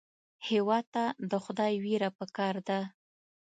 هېواد ته د خدای وېره پکار ده